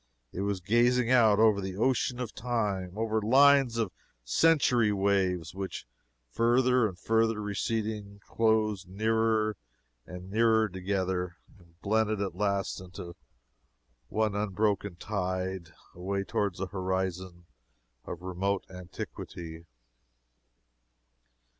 It was gazing out over the ocean of Time over lines of century waves which, further and further receding, closed nearer and nearer together, and blended at last into one unbroken tide, away toward the horizon of remote antiquity.